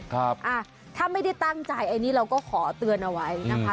ถ้าไม่ได้ตั้งใจอันนี้เราก็ขอเตือนเอาไว้นะคะ